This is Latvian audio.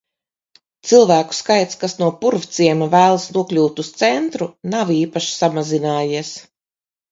Cilvēku skaits, kas no Purvciema vēlas nokļūt uz centru, nav īpaši samazinājies.